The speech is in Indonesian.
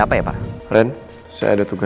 apa yang mau diterima